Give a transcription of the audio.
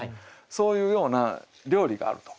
そういうような料理があると。